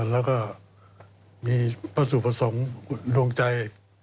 แล้วก็มีพระสุประสงค์ดวงใจ